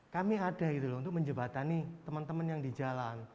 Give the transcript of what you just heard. kami ada gitu loh untuk menjebatani teman teman yang di jalan